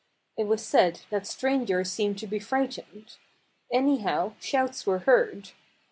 It was said that strangers seemed to be frightened. Anyhow, shouts were heard.